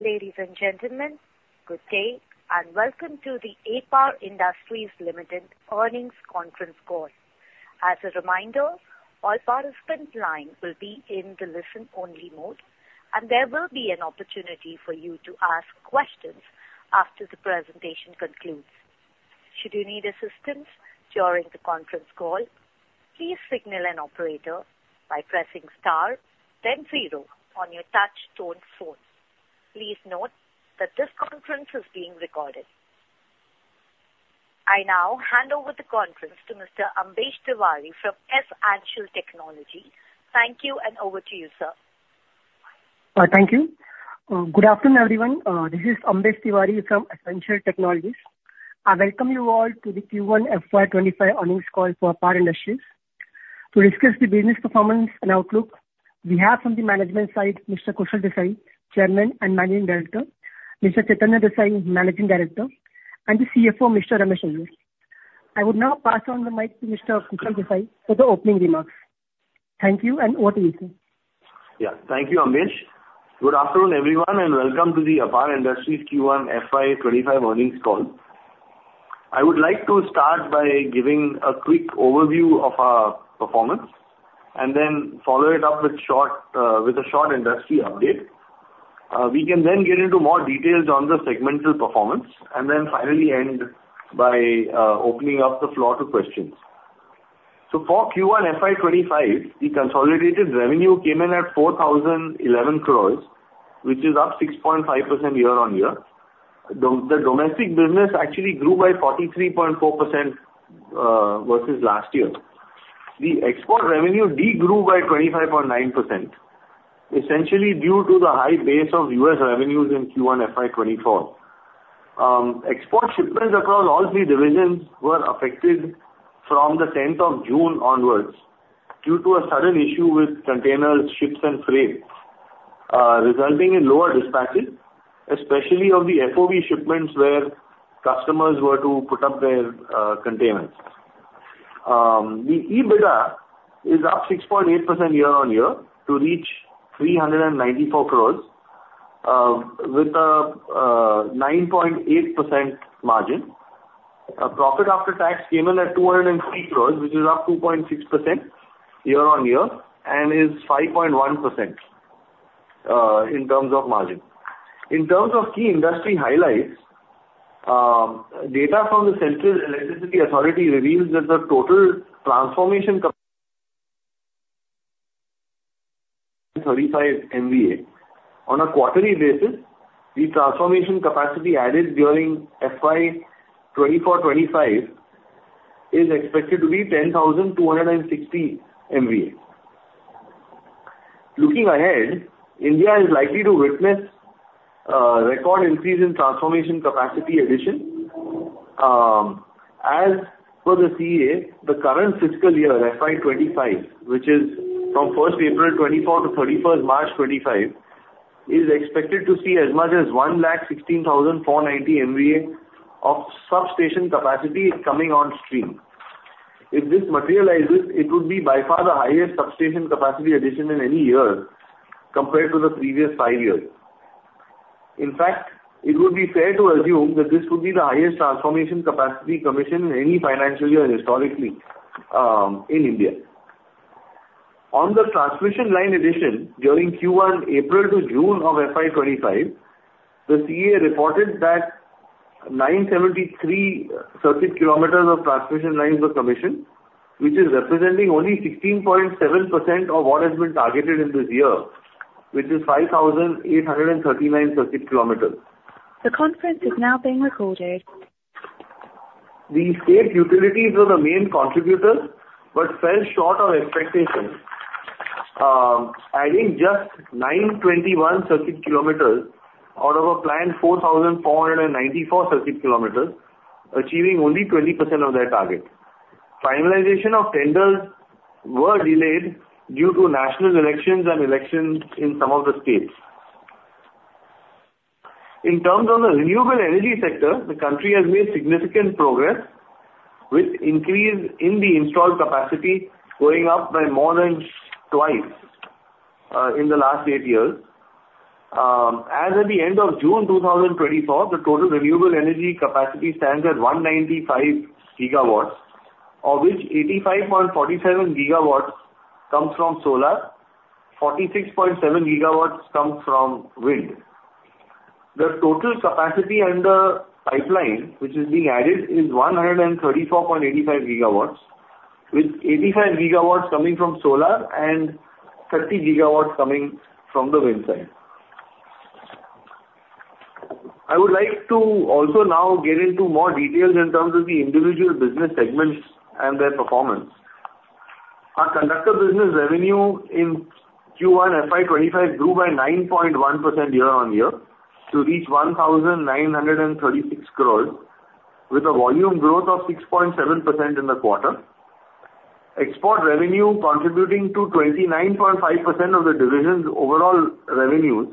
Ladies and gentlemen, good day, and welcome to the Apar Industries Limited earnings conference call. As a reminder, all participant lines will be in the listen-only mode, and there will be an opportunity for you to ask questions after the presentation concludes. Should you need assistance during the conference call, please signal an operator by pressing star, then zero on your touch tone phone. Please note that this conference is being recorded. I now hand over the conference to Mr. Ambesh Tiwari from S-Ancial Technologies. Thank you, and over to you, sir. Thank you. Good afternoon, everyone. This is Ambesh Tiwari from S-Ancial Technologies. I welcome you all to the Q1 FY25 earnings call for Apar Industries. To discuss the business performance and outlook, we have from the management side, Mr. Kushal Desai, Chairman and Managing Director, Mr. Chetan Desai, Managing Director, and the CFO, Mr. Ramesh Iyer. I would now pass on the mic to Mr. Kushal Desai for the opening remarks. Thank you, and over to you, sir. Yeah. Thank you, Ambesh. Good afternoon, everyone, and welcome to the Apar Industries Q1 FY 2025 earnings call. I would like to start by giving a quick overview of our performance, and then follow it up with short, with a short industry update. We can then get into more details on the segmental performance, and then finally end by, opening up the floor to questions. So for Q1 FY 2025, the consolidated revenue came in at 4,011 crore, which is up 6.5% year-on-year. The domestic business actually grew by 43.4%, versus last year. The export revenue de-grew by 25.9%, essentially due to the high base of U.S. revenues in Q1 FY 2024. Export shipments across all three divisions were affected from the tenth of June onwards, due to a sudden issue with containers, ships, and freight, resulting in lower dispatches, especially on the FOB shipments, where customers were to put up their containers. The EBITDA is up 6.8% year-on-year to reach 394 crore, with a 9.8% margin. Our profit after tax came in at 203 crore, which is up 2.6% year-on-year and is 5.1% in terms of margin. In terms of key industry highlights, data from the Central Electricity Authority reveals that the total transformation 35 MVA. On a quarterly basis, the transformation capacity added during FY 2024-2025 is expected to be 10,260 MVA. Looking ahead, India is likely to witness a record increase in transformer capacity addition. As per the CEA, the current fiscal year, FY 2025, which is from April 1, 2024 to March 31, 2025, is expected to see as much as 116,490 MVA of substation capacity coming on stream. If this materializes, it would be by far the highest substation capacity addition in any year compared to the previous five years. In fact, it would be fair to assume that this would be the highest transformer capacity commission in any financial year historically, in India. On the transmission line addition, during Q1, April to June of FY 2025, the CEA reported that 973 circuit kilometers of transmission lines were commissioned, which is representing only 16.7% of what has been targeted in this year, which is 5,839 circuit kilometers. The conference is now being recorded. The state utilities were the main contributors, but fell short of expectations, adding just 921 circuit kilometers out of a planned 4,494 circuit kilometers, achieving only 20% of their target. Finalization of tenders were delayed due to national elections and elections in some of the states. In terms of the renewable energy sector, the country has made significant progress, with increase in the installed capacity, going up by more than twice, in the last eight years. As at the end of June 2024, the total renewable energy capacity stands at 195 gigawatts, of which 85.47 gigawatts comes from solar, 46.7 gigawatts comes from wind. The total capacity in the pipeline, which is being added, is 134.85 gigawatts, with 85 gigawatts coming from solar and 30 gigawatts coming from the wind side. I would like to also now get into more details in terms of the individual business segments and their performance. Our conductor business revenue in Q1 FY2025 grew by 9.1% year-on-year to reach 1,936 crores, with a volume growth of 6.7% in the quarter. Export revenue contributing to 29.5% of the division's overall revenues,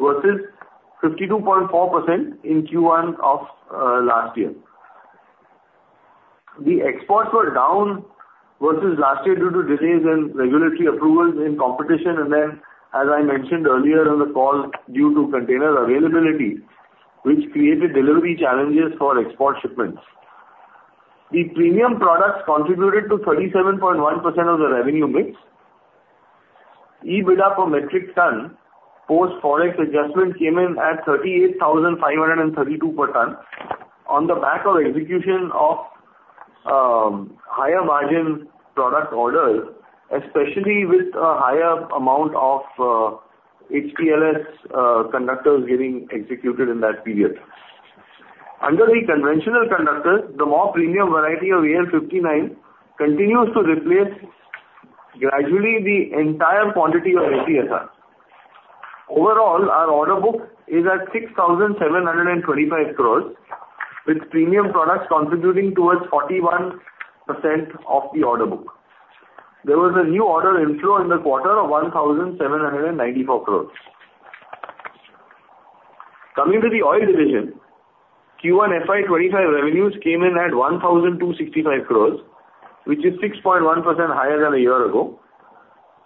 versus 52.4% in Q1 of last year. The exports were down versus last year due to delays in regulatory approvals in competition, and then, as I mentioned earlier on the call, due to container availability, which created delivery challenges for export shipments. The premium products contributed to 37.1% of the revenue mix. EBITDA per metric ton post-Forex adjustment came in at 38,532 per ton on the back of execution of higher margin product orders, especially with a higher amount of HTLS conductors getting executed in that period. Under the conventional conductors, the more premium variety of AL-59 continues to replace gradually the entire quantity of HTLS. Overall, our order book is at 6,725 crore, with premium products contributing towards 41% of the order book. There was a new order inflow in the quarter of 1,794 crore. Coming to the oil division, Q1 FY 2025 revenues came in at 1,265 crore, which is 6.1% higher than a year ago.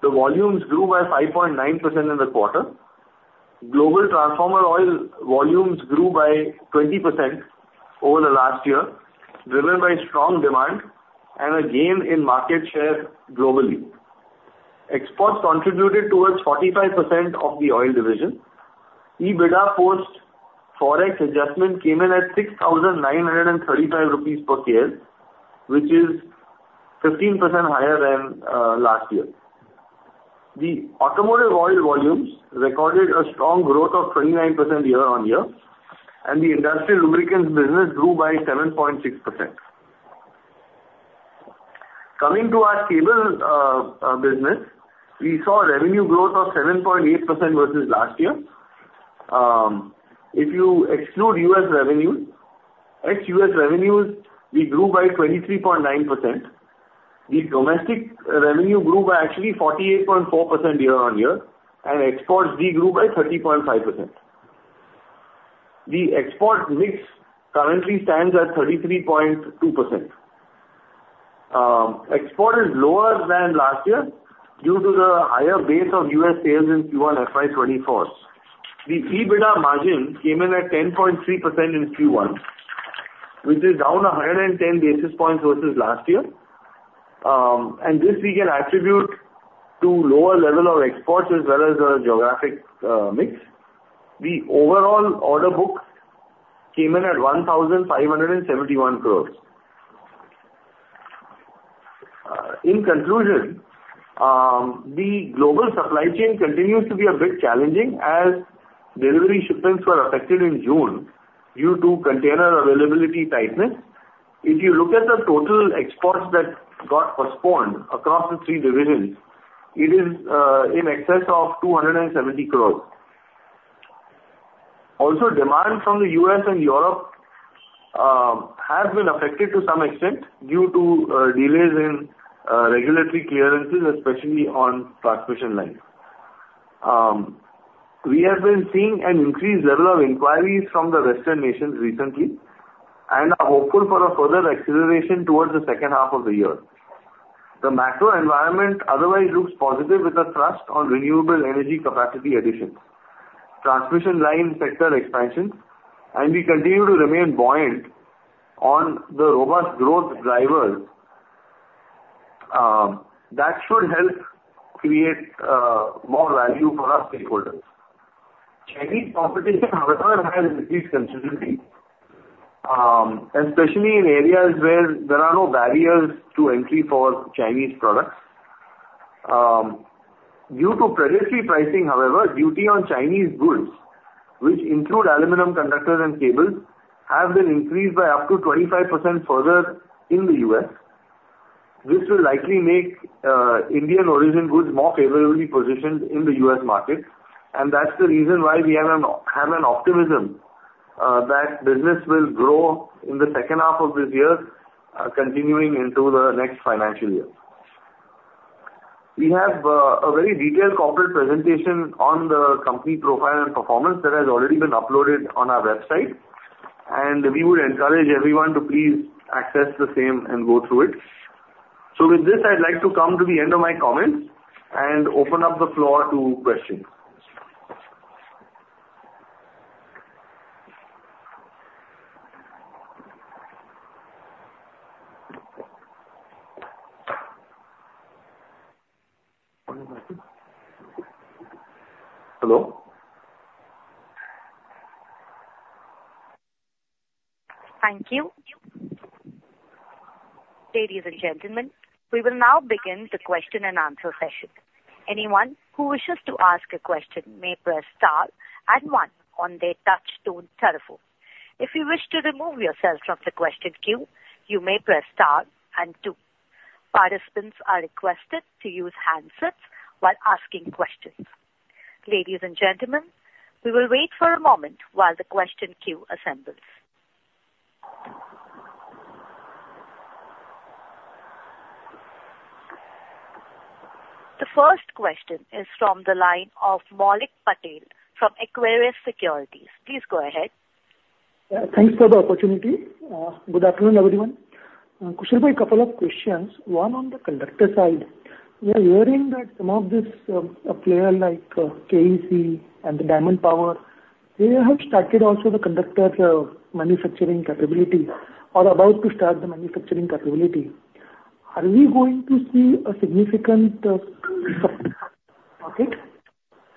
The volumes grew by 5.9% in the quarter. Global transformer oil volumes grew by 20% over the last year, driven by strong demand and a gain in market share globally. Exports contributed towards 45% of the oil division. EBITDA post-Forex adjustment came in at 6,935 rupees per KL, which is 15% higher than last year. The automotive oil volumes recorded a strong growth of 29% year-over-year, and the industrial lubricants business grew by 7.6%. Coming to our cable business, we saw revenue growth of 7.8% versus last year. If you exclude U.S. revenues, ex-U.S. revenues, we grew by 23.9%. The domestic revenue grew by actually 48.4% year-over-year, and exports, we grew by 30.5%. The export mix currently stands at 33.2%. Export is lower than last year due to the higher base of U.S. sales in Q1 FY 2024. The EBITDA margin came in at 10.3% in Q1, which is down 110 basis points versus last year. And this we can attribute to lower level of exports as well as the geographic mix. The overall order book came in at 1,571 crore. In conclusion, the global supply chain continues to be a bit challenging as delivery shipments were affected in June due to container availability tightness. If you look at the total exports that got postponed across the three divisions, it is in excess of 270 crore. Also, demand from the U.S. and Europe have been affected to some extent due to delays in regulatory clearances, especially on transmission lines. We have been seeing an increased level of inquiries from the Western Nations recently and are hopeful for a further acceleration towards the second half of the year. The macro environment otherwise looks positive, with a thrust on renewable energy capacity additions, transmission line sector expansions, and we continue to remain buoyant on the robust growth drivers. That should help create more value for our stakeholders. Chinese competition, however, has increased considerably, especially in areas where there are no barriers to entry for Chinese products. Due to predatory pricing, however, duty on Chinese goods, which include aluminum conductors and cables, have been increased by up to 25% further in the U.S. This will likely make Indian origin goods more favorably positioned in the US market, and that's the reason why we have an optimism that business will grow in the second half of this year, continuing into the next financial year. We have a very detailed corporate presentation on the company profile and performance that has already been uploaded on our website, and we would encourage everyone to please access the same and go through it. So with this, I'd like to come to the end of my comments and open up the floor to questions. Hello? Thank you. Ladies and gentlemen, we will now begin the question-and-answer session. Anyone who wishes to ask a question may press star and one on their touchtone telephone. If you wish to remove yourself from the question queue, you may press star and two. Participants are requested to use handsets while asking questions. Ladies and gentlemen, we will wait for a moment while the question queue assembles. The first question is from the line of Maulik Patel from Equirus Securities. Please go ahead. Yeah, thanks for the opportunity. Good afternoon, everyone. Kushal, a couple of questions. One, on the conductor side, we are hearing that some of this player like KEC and the Diamond Power, they have started also the conductor manufacturing capability or about to start the manufacturing capability. Are we going to see a significant market?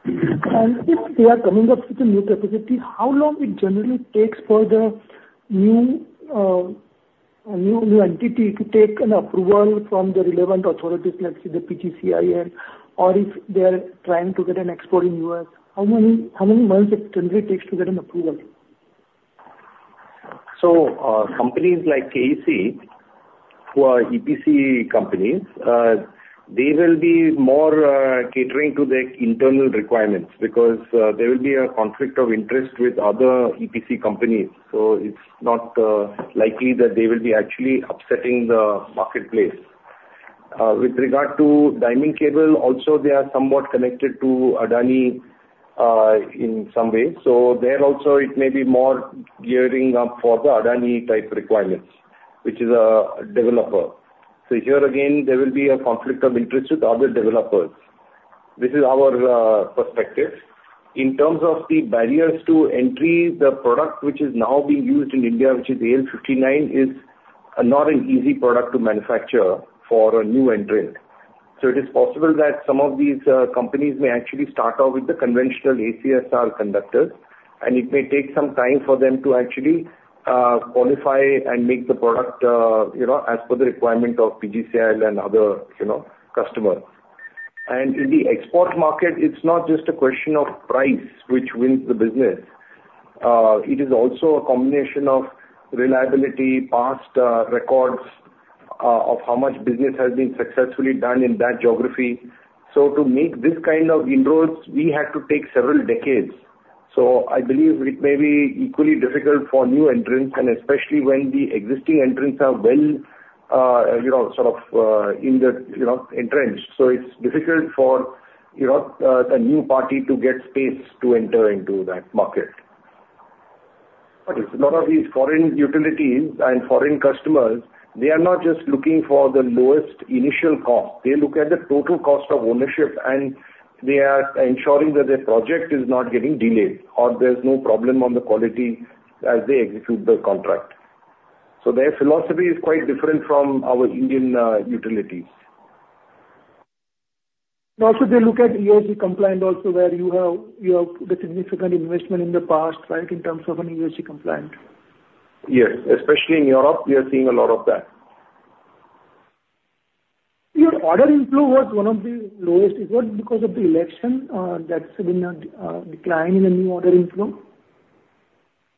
And if they are coming up with a new capacity, how long it generally takes for the new entity to take an approval from the relevant authorities, let's say, the PGCIL, or if they are trying to get an export in U.S., how many months it generally takes to get an approval? So, companies like KEC, who are EPC companies, they will be more, catering to their internal requirements because, there will be a conflict of interest with other EPC companies. So it's not, likely that they will be actually upsetting the marketplace. With regard to Diamond Power, also they are somewhat connected to Adani, in some way. So there also, it may be more gearing up for the Adani type requirements, which is a developer. So here again, there will be a conflict of interest with other developers. This is our, perspective. In terms of the barriers to entry, the product which is now being used in India, which is AL-59, is not an easy product to manufacture for a new entrant. So it is possible that some of these companies may actually start out with the conventional ACSR conductors, and it may take some time for them to actually qualify and make the product, you know, as per the requirement of PGCIL and other, you know, customers. And in the export market, it's not just a question of price which wins the business. It is also a combination of reliability, past records of how much business has been successfully done in that geography. So to make this kind of inroads, we had to take several decades. So I believe it may be equally difficult for new entrants, and especially when the existing entrants are well, you know, sort of in the, you know, entrenched. So it's difficult for, you know, a new party to get space to enter into that market. A lot of these foreign utilities and foreign customers, they are not just looking for the lowest initial cost. They look at the total cost of ownership, and they are ensuring that their project is not getting delayed, or there's no problem on the quality as they execute the contract. So their philosophy is quite different from our Indian utilities. Also, they look at ESG compliant also, where you have, you have the significant investment in the past, right, in terms of an ESG compliant? Yes, especially in Europe, we are seeing a lot of that. Your order inflow was one of the lowest. Is that because of the election, that's been a decline in the new order inflow?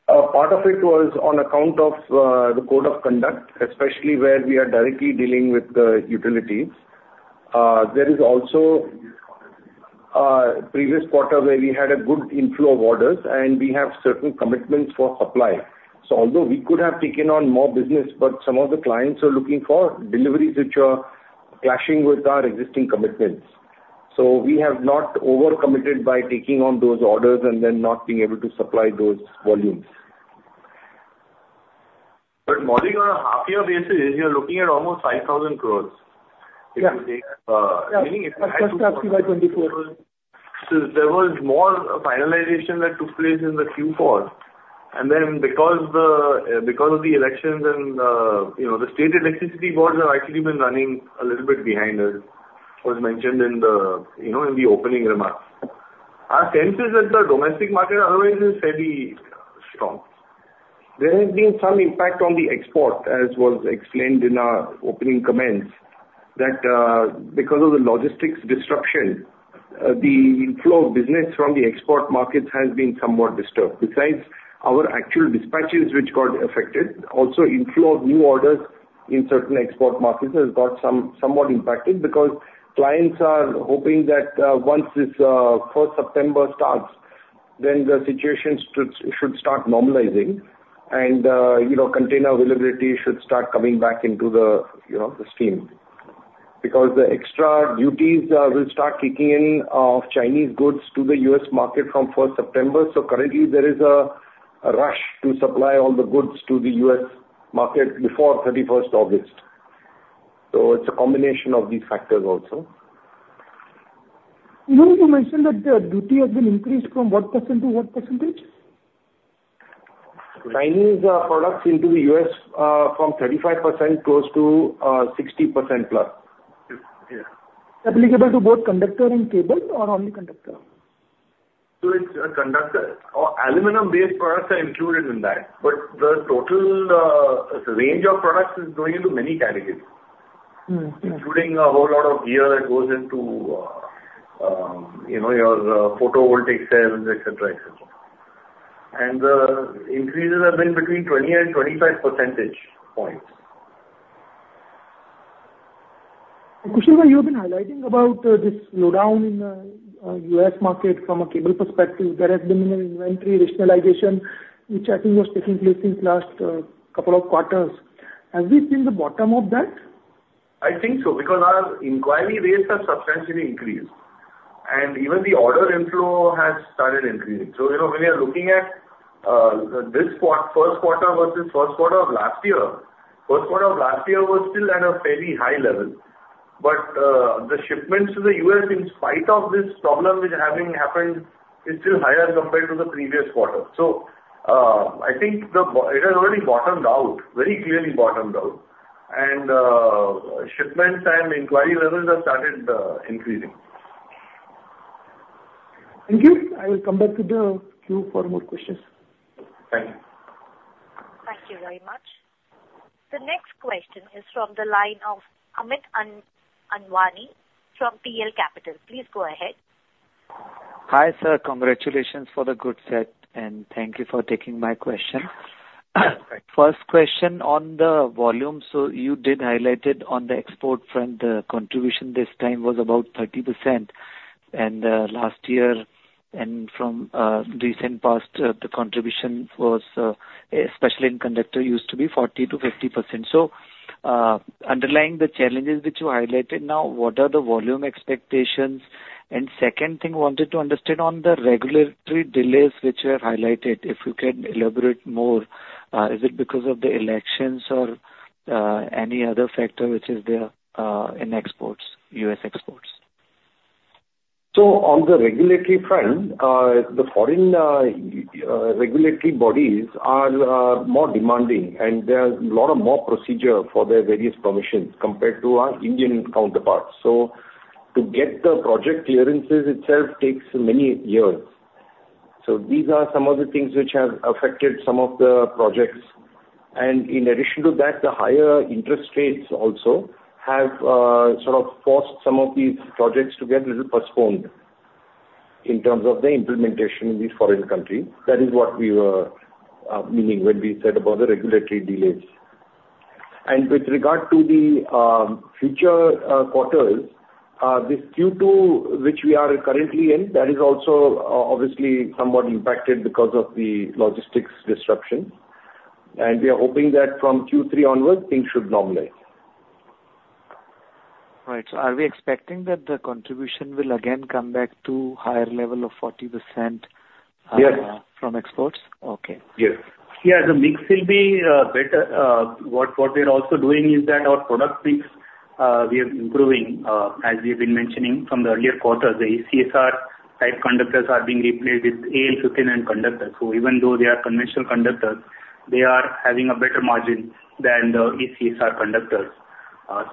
Part of it was on account of the code of conduct, especially where we are directly dealing with the utilities. There is also previous quarter where we had a good inflow of orders and we have certain commitments for supply. So although we could have taken on more business, but some of the clients are looking for deliveries which are clashing with our existing commitments. So we have not overcommitted by taking on those orders and then not being able to supply those volumes. But Maulik, on a half year basis, you're looking at almost 5,000 crore. Yeah. If you take, Yeah. Meaning if- +50 by 2024. So there was more finalization that took place in the Q4. And then because of the elections and, you know, the state electricity boards have actually been running a little bit behind us, was mentioned in the, you know, in the opening remarks. Our sense is that the domestic market otherwise is fairly strong. There has been some impact on the export, as was explained in our opening comments, that because of the logistics disruption, the inflow of business from the export markets has been somewhat disturbed. Besides, our actual dispatches, which got affected, also inflow of new orders in certain export markets has got somewhat impacted because clients are hoping that, once this 1stst September starts, then the situation should start normalizing and, you know, container availability should start coming back into the, you know, the stream. Because the extra duties will start kicking in Chinese goods to the U.S. market from 1st September. So currently, there is a rush to supply all the goods to the U.S. market before 31st August. So it's a combination of these factors also. You know, you mentioned that the duty has been increased from what % to what %? Chinese products into the U.S. from 35% close to 60% plus. Yeah. Applicable to both conductor and cable or only conductor? It's conductor or aluminum-based products are included in that, but the total range of products is going into many categories. Mm-hmm. Including a whole lot of gear that goes into, you know, your, photovoltaic cells, et cetera, et cetera. The increases have been between 20 and 25 percentage points. Kushal, you've been highlighting about, this slowdown in, US market from a cable perspective. There has been an inventory rationalization, which I think was taking place since last, couple of quarters. Have we seen the bottom of that? I think so, because our inquiry rates have substantially increased, and even the order inflow has started increasing. So, you know, when you're looking at this first quarter versus first quarter of last year, first quarter of last year was still at a fairly high level. But the shipments to the U.S., in spite of this problem which having happened, is still higher compared to the previous quarter. So, I think it has already bottomed out, very clearly bottomed out, and shipments and inquiry levels have started increasing. Thank you. I will come back to the queue for more questions. Thank you. Thank you very much. The next question is from the line of Amit Anwani from PL Capital. Please go ahead. Hi, sir. Congratulations for the good set, and thank you for taking my question. First question on the volume. So you did highlight it on the export front, the contribution this time was about 30%, and last year and from recent past, the contribution was, especially in conductor, used to be 40%-50%. So, underlying the challenges which you highlighted now, what are the volume expectations? And second thing, I wanted to understand on the regulatory delays which you have highlighted, if you can elaborate more, is it because of the elections or any other factor which is there, in exports, US exports? So on the regulatory front, the foreign regulatory bodies are more demanding, and there are a lot of more procedure for their various permissions compared to our Indian counterparts. So to get the project clearances itself takes many years. So these are some of the things which have affected some of the projects. And in addition to that, the higher interest rates also have sort of forced some of these projects to get a little postponed in terms of the implementation in these foreign countries. That is what we were meaning when we said about the regulatory delays. And with regard to the future quarters, this Q2, which we are currently in, that is also obviously somewhat impacted because of the logistics disruption. And we are hoping that from Q3 onwards, things should normalize. Right. So are we expecting that the contribution will again come back to higher level of 40%. Yes. From exports? Okay. Yes. Yeah, the mix will be better. What we are also doing is that our product mix we are improving. As we've been mentioning from the earlier quarters, the ACSR type conductors are being replaced with AL-59 conductors. So even though they are conventional conductors, they are having a better margin than the ACSR conductors.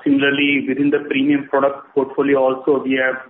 Similarly, within the premium product portfolio also, we have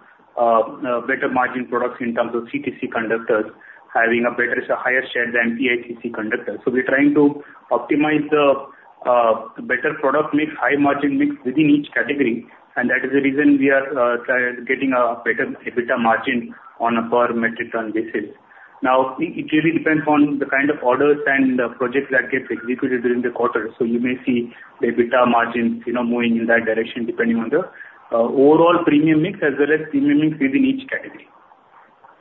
better margin products in terms of CTC conductors, having a better, higher share than PICC conductors. So we're trying to optimize the better product mix, high margin mix within each category, and that is the reason we are getting a better EBITDA margin on a per metric ton basis. Now, it really depends on the kind of orders and the projects that get executed during the quarter. You may see the EBITDA margins, you know, moving in that direction, depending on the overall premium mix as well as premium mix within each category.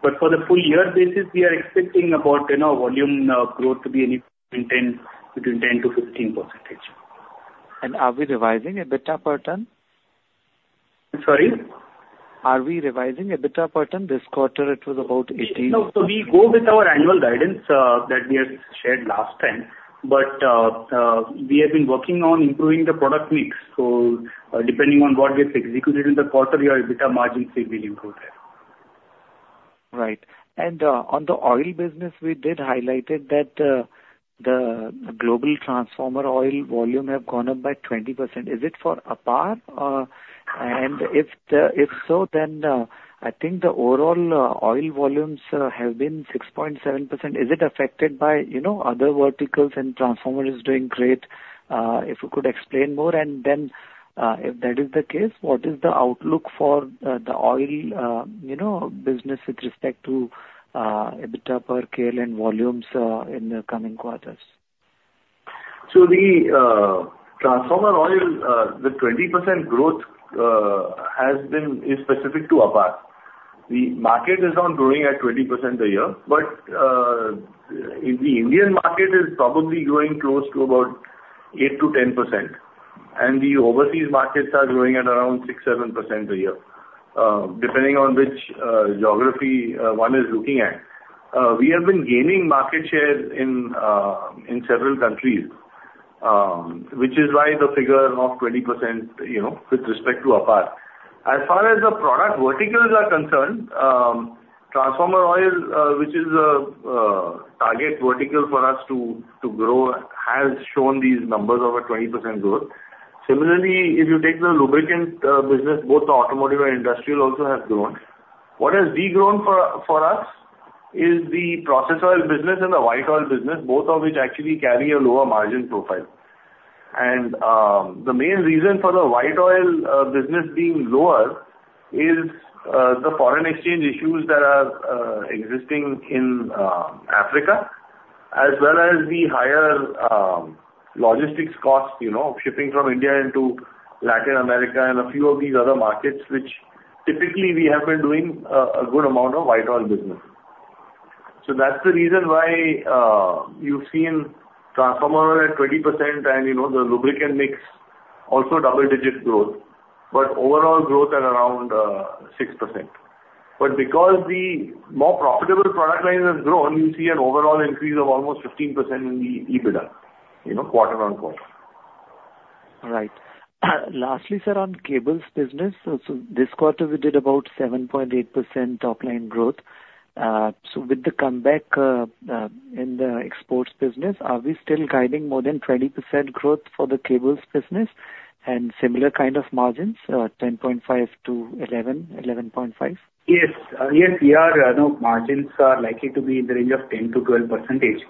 But for the full year basis, we are expecting about, you know, volume growth to be anything between 10%-15%. Are we revising EBITDA per ton? Sorry? Are we revising EBITDA per ton? This quarter it was about 18. No, so we go with our annual guidance that we had shared last time, but we have been working on improving the product mix. So, depending on what gets executed in the quarter, our EBITDA margins will be improved there. Right. On the oil business, we did highlighted that, the global transformer oil volume have gone up by 20%. Is it for Apar? And if so, then, I think the overall, oil volumes, have been 6.7%. Is it affected by, you know, other verticals and transformer is doing great? If you could explain more, and then, if that is the case, what is the outlook for the, the oil, you know, business with respect to, EBITDA per KL and volumes, in the coming quarters? So the transformer oil, the 20% growth, is specific to Apar. The market is not growing at 20% a year, but the Indian market is probably growing close to about 8%-10%, and the overseas markets are growing at around 6%-7% a year, depending on which geography one is looking at. We have been gaining market share in several countries, which is why the figure of 20%, you know, with respect to Apar. As far as the product verticals are concerned, transformer oil, which is a target vertical for us to grow, has shown these numbers over 20% growth. Similarly, if you take the lubricant business, both the automotive and industrial also have grown. What has de-grown for us is the process oil business and the white oil business, both of which actually carry a lower margin profile. And, the main reason for the white oil business being lower is the foreign exchange issues that are existing in Africa, as well as the higher logistics costs, you know, shipping from India into Latin America and a few of these other markets, which typically we have been doing a good amount of white oil business. So that's the reason why, you've seen transformer at 20%, and, you know, the lubricant mix also double-digit growth, but overall growth at around 6%. But because the more profitable product line has grown, you see an overall increase of almost 15% in the EBITDA, you know, quarter on quarter. Right. Lastly, sir, on cables business, so this quarter we did about 7.8% top line growth. So with the comeback in the exports business, are we still guiding more than 20% growth for the cables business and similar kind of margins, 10.5%-11.5%? Yes. Yes, we are. You know, margins are likely to be in the range of 10%-12%.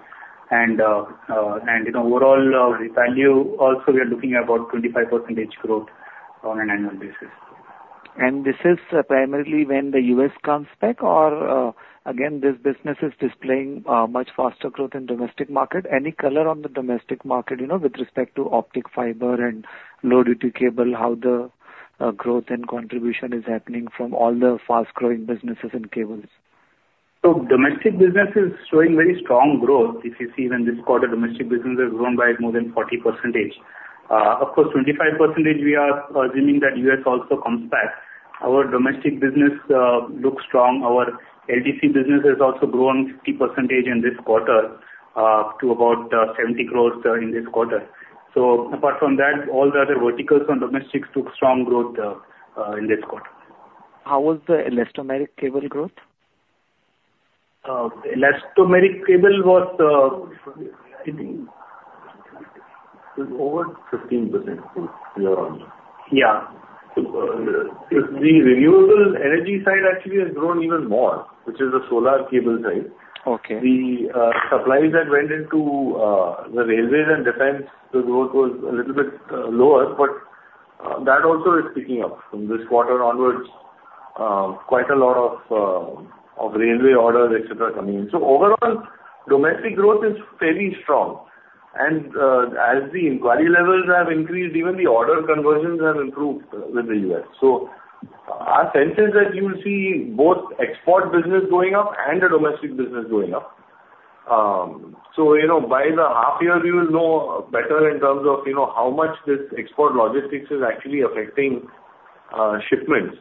And, and in overall, value, also we are looking at about 25% growth on an annual basis. This is primarily when the U.S. comes back, or, again, this business is displaying much faster growth in domestic market? Any color on the domestic market, you know, with respect to optic fiber and Light Duty cable, how the growth and contribution is happening from all the fast-growing businesses and cables? So domestic business is showing very strong growth. If you see even this quarter, domestic business has grown by more than 40%. Of course, 25%, we are assuming that U.S. also comes back. Our domestic business looks strong. Our LDC business has also grown 50% in this quarter, to about 70 crore in this quarter. So apart from that, all the other verticals on domestics took strong growth in this quarter. How was the Elastomeric Cable growth? Elastomeric Cable was, I think it was. over 15% growth year-on-year. Yeah. The renewable energy side actually has grown even more, which is the solar cable side. Okay. The supplies that went into the railways and defense, the growth was a little bit lower, but that also is picking up. From this quarter onwards, quite a lot of railway orders, et cetera, coming in. So overall, domestic growth is very strong, and as the inquiry levels have increased, even the order conversions have improved with the U.S. So our sense is that you will see both export business going up and the domestic business going up. So, you know, by the half year, we will know better in terms of, you know, how much this export logistics is actually affecting shipments.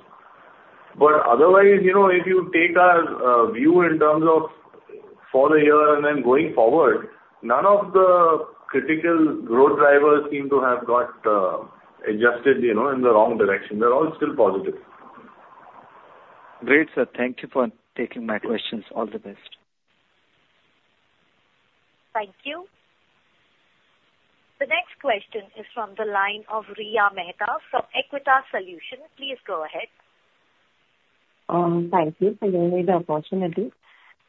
But otherwise, you know, if you take our view in terms of for the year and then going forward, none of the critical growth drivers seem to have got adjusted, you know, in the wrong direction. They're all still positive. Great, sir. Thank you for taking my questions. All the best. Thank you. The next question is from the line of Riya Mehta from Aequitas Investment Consultancy. Please go ahead. Thank you for giving me the opportunity.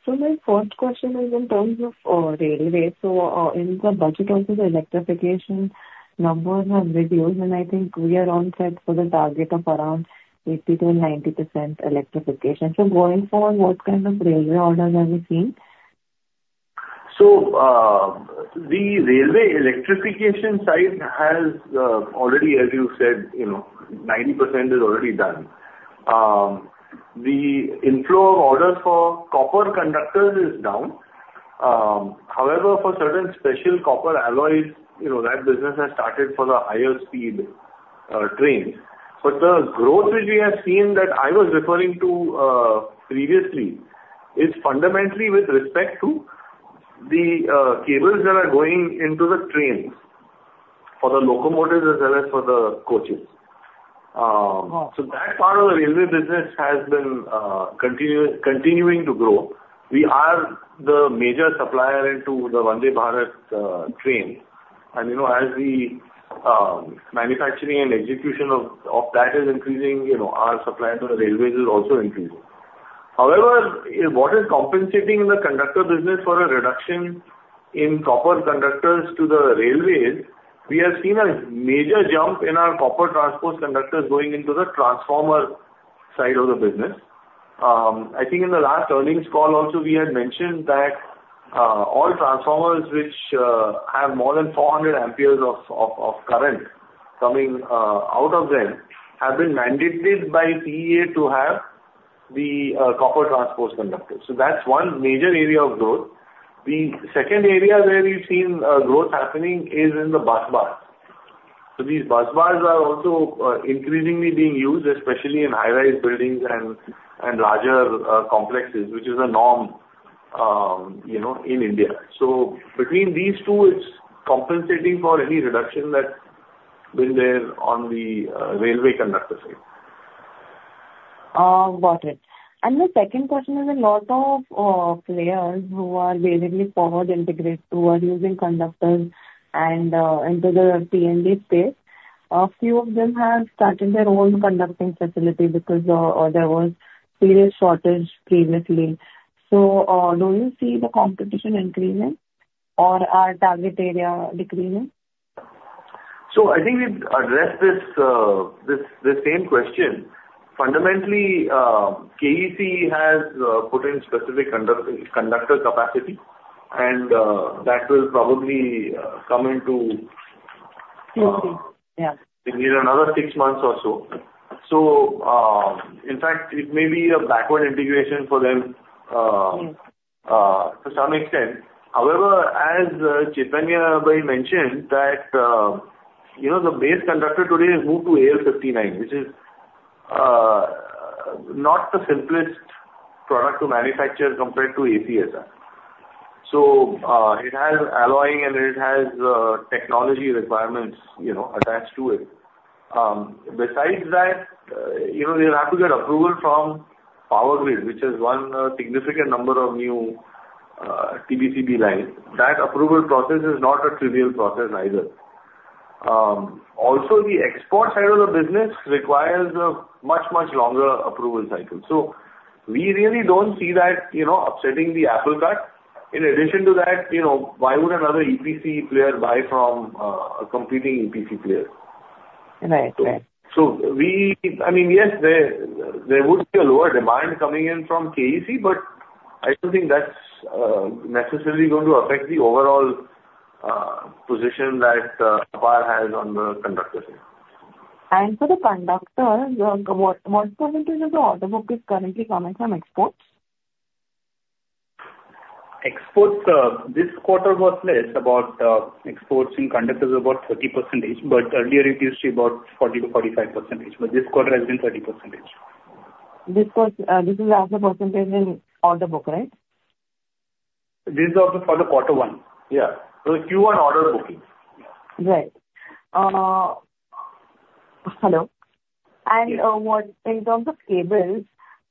So my first question is in terms of railway. So, in the budget also, the electrification numbers have reduced, and I think we are on track for the target of around 80%-90% electrification. So going forward, what kind of railway orders are we seeing? So, the railway electrification side has already, as you said, you know, 90% is already done. The inflow of orders for copper conductors is down. However, for certain special copper alloys, you know, that business has started for the higher speed trains. But the growth which we have seen that I was referring to, previously, is fundamentally with respect to the cables that are going into the trains for the locomotives as well as for the coaches. Uh- So that part of the railway business has been continuing to grow. We are the major supplier into the Vande Bharat train. And, you know, as the manufacturing and execution of that is increasing, you know, our supply to the railways will also increase. However, what is compensating in the conductor business for a reduction in copper conductors to the railways, we have seen a major jump in our copper transposed conductors going into the transformer side of the business. I think in the last earnings call also, we had mentioned that all transformers which have more than 400 amperes of current coming out of them, have been mandated by CEA to have the copper transposed conductors. So that's one major area of growth. The second area where we've seen growth happening is in the busbar. So these busbars are also increasingly being used, especially in high-rise buildings and larger complexes, which is a norm, you know, in India. So between these two, it's compensating for any reduction that's been there on the railway conductor side. Got it. And my second question is, a lot of players who are vertically forward integrated who are using conductors and into the P&D space, a few of them have started their own conductor facility because there was serious shortage previously. So, do you see the competition increasing or our target area decreasing? So I think we've addressed this same question. Fundamentally, KEC has put in specific conductor capacity, and that will probably come into. Okay. Yeah. They need another six months or so. So, in fact, it may be a backward integration for them, Mm. To some extent. However, as Chatan mentioned that, you know, the base conductor today has moved to AL-59, which is not the simplest product to manufacture compared to ACSR. So, it has alloying and it has technology requirements, you know, attached to it. Besides that, you know, they'll have to get approval from PowerGrid, which is one significant number of new TBCB lines. That approval process is not a trivial process either. Also, the export side of the business requires a much, much longer approval cycle, so we really don't see that, you know, upsetting the apple cart. In addition to that, you know, why would another EPC player buy from a competing EPC player? Right. Right. I mean, yes, there, there would be a lower demand coming in from KEC, but I don't think that's necessarily going to affect the overall position that Apar has on the conductor side. For the conductor, what percentage of the order book is currently coming from exports? Exports, this quarter was less about, exports in conductors about 30%, but earlier it used to be about 40%-45%, but this quarter has been 30%. This quarter, this is as a percentage in Order Book, right? This is also for the quarter one. Yeah. So Q1 order bookings. Right. Hello. And, what, in terms of cables,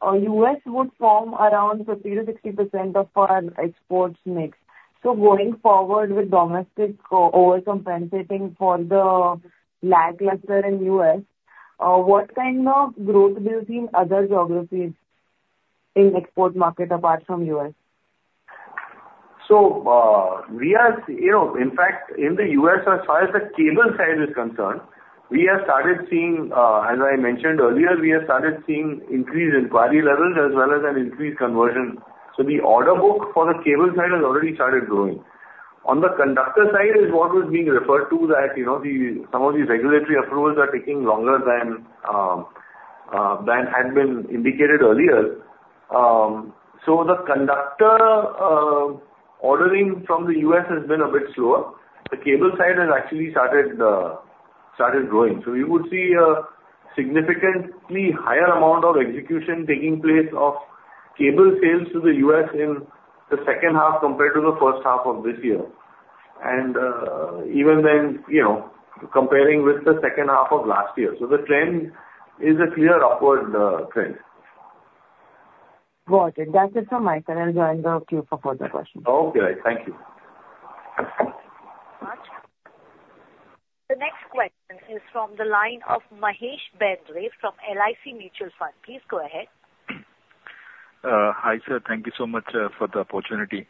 U.S. would form around 50%-60% of our exports mix. So going forward with domestic overcompensating for the lackluster in U.S, what kind of growth do you see in other geographies in export market apart from U.S.? So, we are, you know, in fact, in the U.S., as far as the cable side is concerned, we have started seeing, as I mentioned earlier, we have started seeing increased inquiry levels as well as an increased conversion. So the order book for the cable side has already started growing. On the conductor side, is what was being referred to that, you know, the, some of these regulatory approvals are taking longer than, than had been indicated earlier. So the conductor ordering from the U.S. has been a bit slower. The cable side has actually started growing. So you would see a significantly higher amount of execution taking place of cable sales to the U.S. in the second half compared to the first half of this year. And, even then, you know, comparing with the second half of last year. So the trend is a clear upward trend. Got it. That's it from my side. I'll join the queue for further questions. Okay. Thank you. The next question is from the line of Mahesh Bendre from LIC Mutual Fund. Please go ahead. Hi, sir. Thank you so much for the opportunity.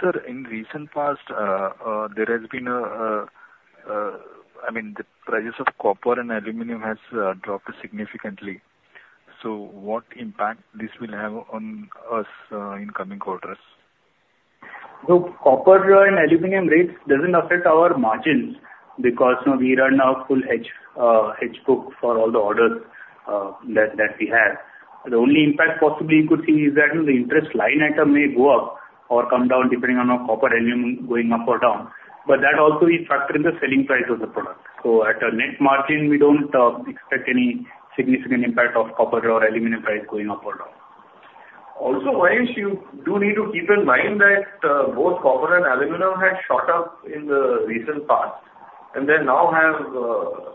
Sir, in recent past, I mean, the prices of copper and aluminum has dropped significantly. So what impact this will have on us in coming quarters? So copper and aluminum rates doesn't affect our margins, because now we run a full hedge hedge book for all the orders that we have. The only impact possibly you could see is that the interest line item may go up or come down, depending on our copper aluminum going up or down, but that also we factor in the selling price of the product. So at a net margin, we don't expect any significant impact of copper or aluminum price going up or down. Also, Mahesh, you do need to keep in mind that both copper and aluminum had shot up in the recent past and then now have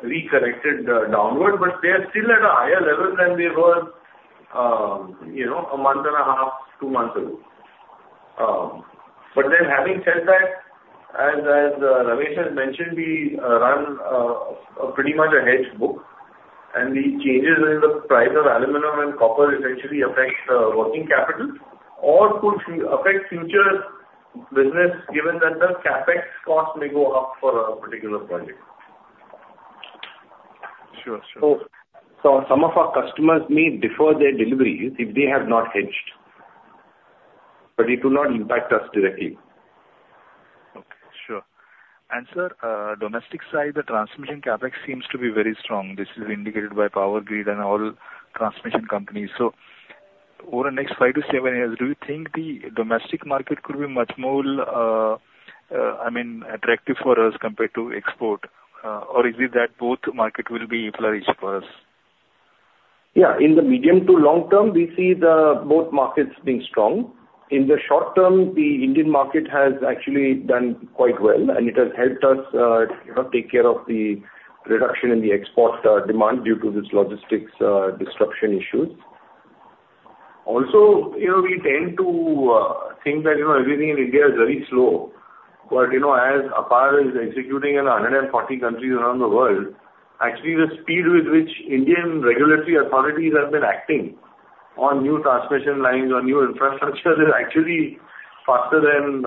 reconnected downward, but they are still at a higher level than they were, you know, a month and a half, two months ago. But then having said that, as Ramesh has mentioned, we run a pretty much hedged book, and the changes in the price of aluminum and copper essentially affect working capital or could affect future business, given that the CapEx cost may go up for a particular project. Sure. Sure. So, some of our customers may defer their deliveries if they have not hedged, but it will not impact us directly. Okay. Sure. And, sir, domestic side, the transmission CapEx seems to be very strong. This is indicated by PowerGrid and all transmission companies. So over the next five to seven years, do you think the domestic market could be much more, I mean, attractive for us compared to export? Or is it that both market will be flourished for us? Yeah, in the medium to long term, we see the both markets being strong. In the short term, the Indian market has actually done quite well, and it has helped us, you know, take care of the reduction in the export demand due to this logistics disruption issues. Also, you know, we tend to think that, you know, everything in India is very slow. But, you know, as Apar is executing in 140 countries around the world, actually the speed with which Indian regulatory authorities have been acting on new transmission lines, on new infrastructure is actually faster than,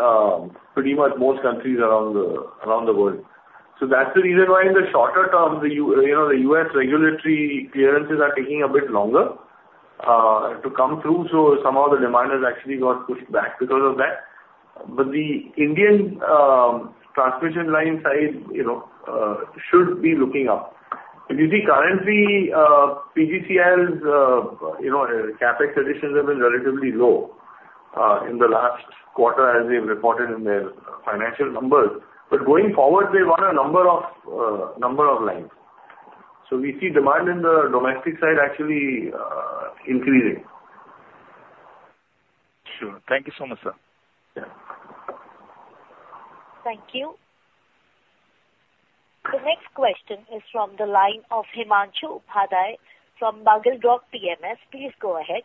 pretty much most countries around the world. So that's the reason why in the shorter term, the U.S., you know, regulatory clearances are taking a bit longer to come through, so some of the demand has actually got pushed back because of that. But the Indian transmission line side, you know, should be looking up. If you see currently, PGCIL's, you know, CapEx addition level is relatively low in the last quarter, as they've reported in their financial numbers. But going forward, they want a number of lines. So we see demand in the domestic side actually increasing. Sure. Thank you so much, sir. Yeah. Thank you. The next question is from the line of Himanshu Upadhyay from Bugler Rock PMS. Please go ahead.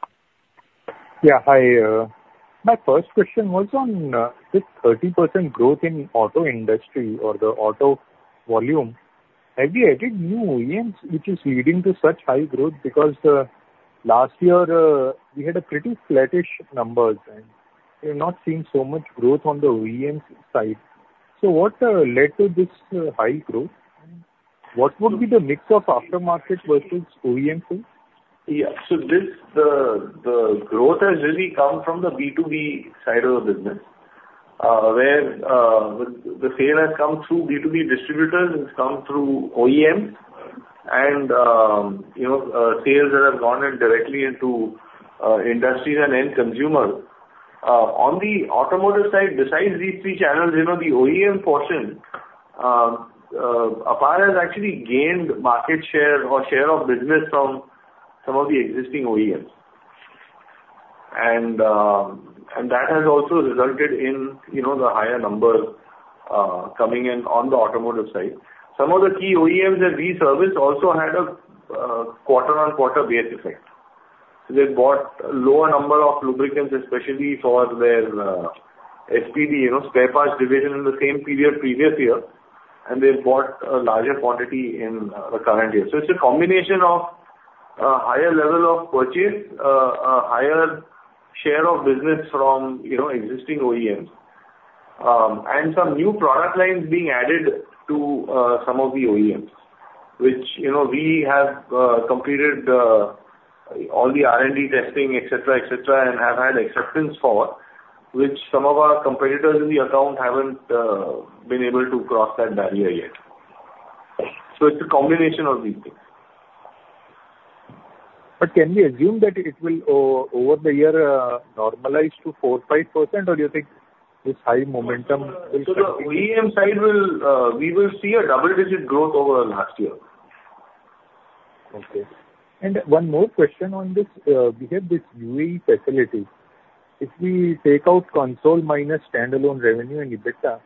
Yeah, hi. My first question was on this 30% growth in auto industry or the auto volume. Have we added new OEMs, which is leading to such high growth? Because last year, we had a pretty flattish numbers, and we're not seeing so much growth on the OEM side. So what led to this high growth? What would be the mix of aftermarket versus OEM sales? Yeah. So this, the growth has really come from the B2B side of the business, where the sale has come through B2B distributors, it's come through OEMs and, you know, sales that have gone in directly into industries and end consumer. On the automotive side, besides these three channels, you know, the OEM portion, Apar, has actually gained market share or share of business from some of the existing OEMs. And that has also resulted in, you know, the higher numbers coming in on the automotive side. Some of the key OEMs that we service also had a quarter-on-quarter base effect. So they bought lower number of lubricants, especially for their SPD, you know, spare parts division in the same period, previous year, and they've bought a larger quantity in the current year. So it's a combination of, higher level of purchase, a higher share of business from, you know, existing OEMs, and some new product lines being added to, some of the OEMs, which, you know, we have, completed, all the R&D testing, et cetera, et cetera, and have had acceptance for, which some of our competitors in the account haven't, been able to cross that barrier yet. So it's a combination of these things. But can we assume that it will over the year normalize to 4%-5%, or you think this high momentum is? So the OEM side will, we will see a double-digit growth over last year. Okay. And one more question on this, we have this UAE facility. If we take out consolidated minus standalone revenue and EBITDA,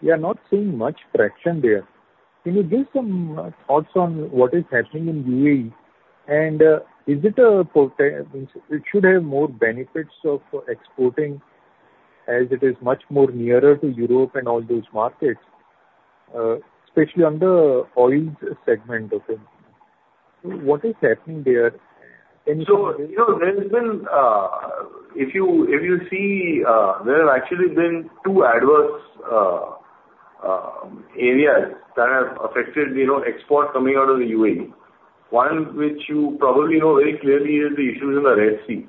we are not seeing much traction there. Can you give some thoughts on what is happening in UAE? And, is it a potential—it should have more benefits of exporting as it is much more nearer to Europe and all those markets, especially under oils segment, okay? So what is happening there? And so. So, you know, there has been, if you, if you see, there have actually been two adverse areas that have affected, you know, exports coming out of the UAE. One, which you probably know very clearly, is the issues in the Red Sea,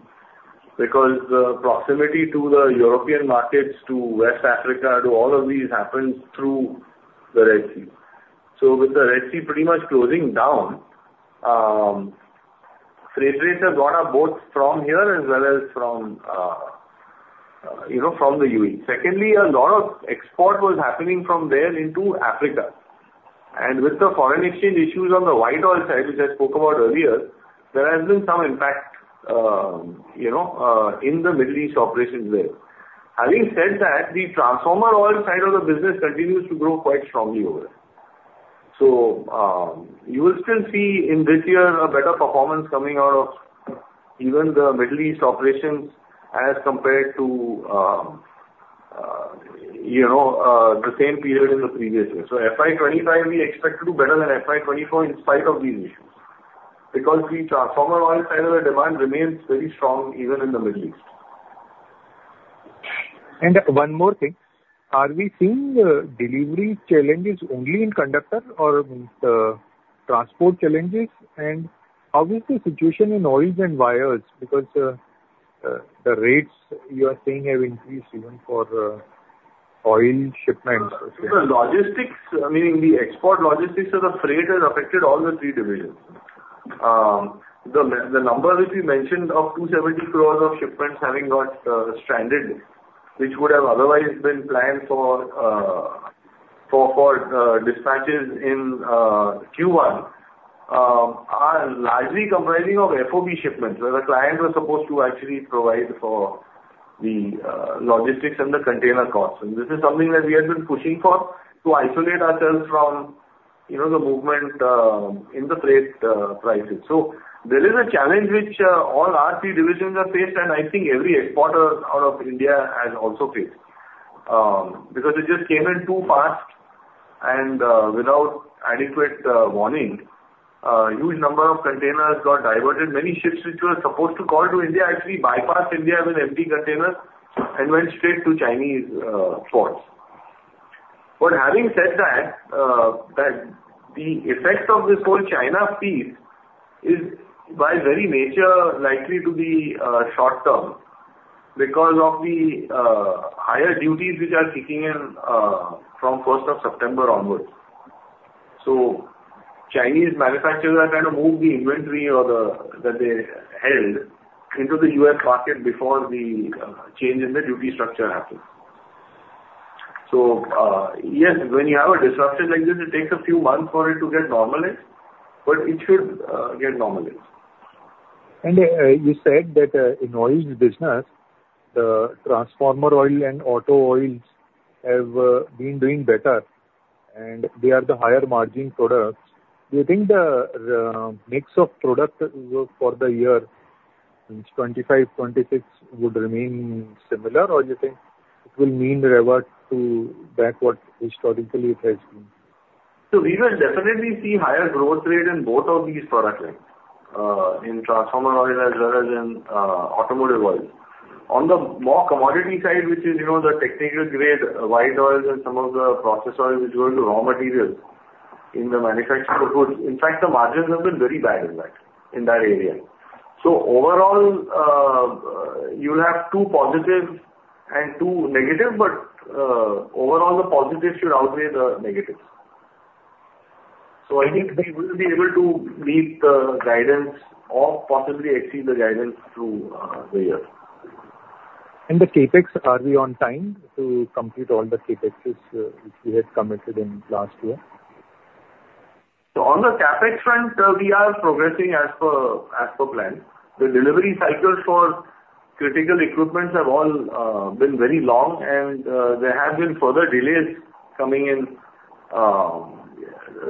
because the proximity to the European markets, to West Africa, to all of these, happens through the Red Sea. So with the Red Sea pretty much closing down, freight rates have gone up both from here as well as from, you know, from the UAE. Secondly, a lot of export was happening from there into Africa. And with the foreign exchange issues on the white oil side, which I spoke about earlier, there has been some impact, you know, in the Middle East operations there. Having said that, the transformer oil side of the business continues to grow quite strongly over there. So, you will still see in this year, a better performance coming out of even the Middle East operations as compared to, the same period in the previous year. So FY 2025, we expect to do better than FY 2024, in spite of these issues, because the transformer oil side of the demand remains very strong, even in the Middle East. And one more thing. Are we seeing delivery challenges only in conductor or transport challenges? And how is the situation in oils and wires? Because the rates you are saying have increased even for oil shipments. The logistics, I mean, the export logistics of the freight has affected all the three divisions. The number which we mentioned of 270 crore of shipments having got stranded, which would have otherwise been planned for dispatches in Q1, are largely comprising of FOB shipments, where the clients were supposed to actually provide for the logistics and the container costs. And this is something that we have been pushing for, to isolate ourselves from, you know, the movement in the freight prices. So there is a challenge which all our three divisions have faced, and I think every exporter out of India has also faced. Because it just came in too fast and without adequate warning, a huge number of containers got diverted. Many ships which were supposed to call to India actually bypassed India with empty containers and went straight to Chinese ports. But having said that, that the effect of this whole China piece is by very nature likely to be short term because of the higher duties which are kicking in from first of September onwards. So Chinese manufacturers are trying to move the inventory or that they held into the U.S. market before the change in the duty structure happens. So, yes, when you have a disruption like this, it takes a few months for it to get normalized, but it should get normalized. You said that in the oils business, the transformer oil and auto oils have been doing better, and they are the higher margin products. Do you think the mix of product will, for the year 2025-2026, remain similar, or you think it will mean revert to that what historically it has been? So we will definitely see higher growth rate in both of these product lines, in transformer oil as well as in, automotive oil. On the more commodity side, which is, you know, the technical grade, white oils and some of the process oils, which go into raw materials in the manufacture of goods. In fact, the margins have been very bad in that, in that area. So overall, you will have two positives and two negatives, but, overall, the positives should outweigh the negatives. So I think we will be able to meet the guidance or possibly exceed the guidance through, the year. The CapEx, are we on time to complete all the CapExes, which we had committed in last year? So on the CapEx front, we are progressing as per, as per plan. The delivery cycles for critical equipment have all been very long, and there have been further delays coming in.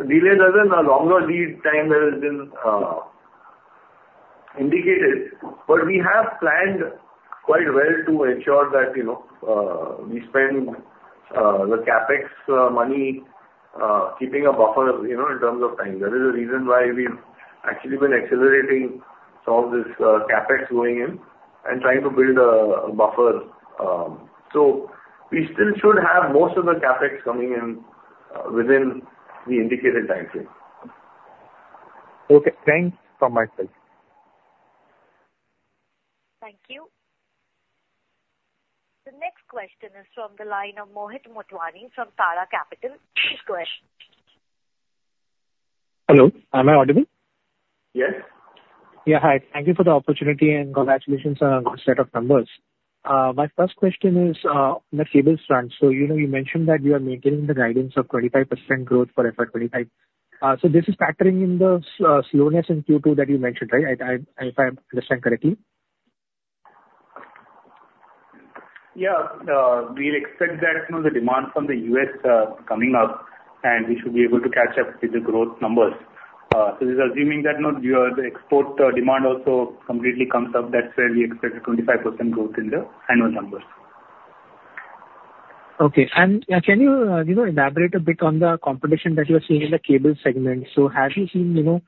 Delays as in a longer lead time than has been indicated, but we have planned quite well to ensure that, you know, we spend the CapEx money keeping a buffer, you know, in terms of time. That is the reason why we've actually been accelerating some of this CapEx going in and trying to build a buffer. So we still should have most of the CapEx coming in within the indicated time frame. Okay. Thanks from myself. Thank you. The next question is from the line of Mohit Motwani from Nuvama Wealth. Please go ahead. Hello, am I audible? Yes. Yeah, hi. Thank you for the opportunity, and congratulations on a good set of numbers. My first question is on the cables front. So, you know, you mentioned that you are maintaining the guidance of 25% growth for FY 2025. So this is factoring in the slowness in Q2 that you mentioned, right? I, I, if I understand correctly. Yeah. We expect that, you know, the demand from the U.S., coming up, and we should be able to catch up with the growth numbers. So this is assuming that, you know, your, the export, demand also completely comes up. That's where we expect a 25% growth in the annual numbers. Okay. And, can you, you know, elaborate a bit on the competition that you are seeing in the cable segment? So have you seen, you know,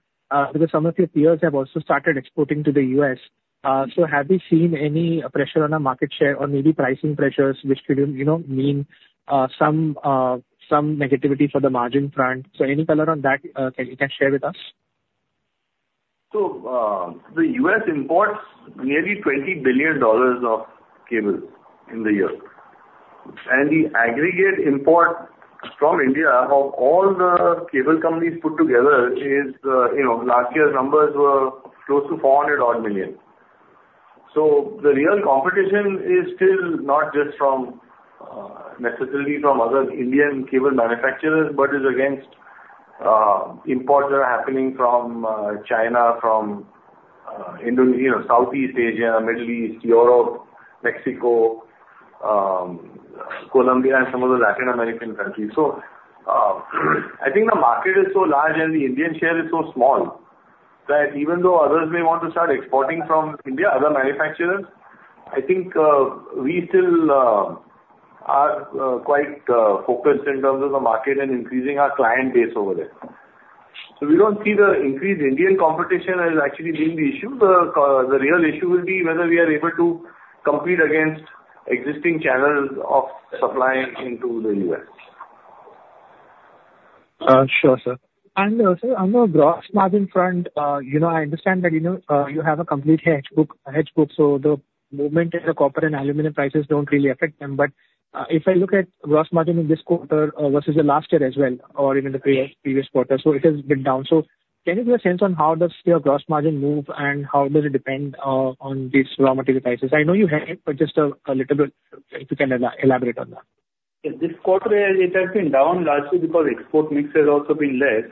because some of your peers have also started exporting to the U.S.? So have you seen any pressure on the market share or maybe pricing pressures which could, you know, mean, some, some negativity for the margin front? So any color on that, you can share with us? So, the U.S. imports nearly $20 billion of cable in the year, and the aggregate import from India of all the cable companies put together is, you know, last year's numbers were close to $400 million. So the real competition is still not just from, necessarily from other Indian cable manufacturers, but is against, imports that are happening from, China, from, Indonesia, you know, Southeast Asia, Middle East, Europe, Mexico, Colombia, and some of the Latin American countries. So, I think the market is so large and the Indian share is so small, that even though others may want to start exporting from India, other manufacturers, I think, we still, are, quite, focused in terms of the market and increasing our client base over there. So we don't see the increased Indian competition as actually being the issue. The real issue will be whether we are able to compete against existing channels of supplying into the U.S. Sure, sir. And, sir, on the gross margin front, you know, I understand that, you know, you have a complete hedge book, hedge book, so the movement in the copper and aluminum prices don't really affect them. But, if I look at gross margin in this quarter, versus the last year as well, or even the previous quarter, so it has been down. So can you give a sense on how does your gross margin move, and how does it depend on these raw material prices? I know you had it, but just a little bit, if you can elaborate on that. Yeah, this quarter, it has been down largely because export mix has also been less,